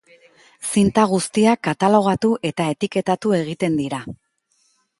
Zinta guztiak katalogatu eta etiketatu egiten dira.